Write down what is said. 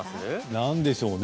なんでしょうね。